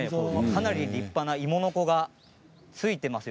かなり立派ないものこがついています。